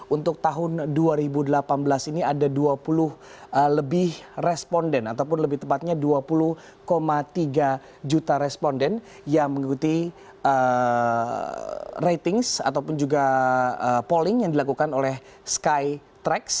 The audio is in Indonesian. untuk tahun dua ribu delapan belas ini ada dua puluh lebih responden ataupun lebih tepatnya dua puluh tiga juta responden yang mengikuti ratings ataupun juga polling yang dilakukan oleh skytrax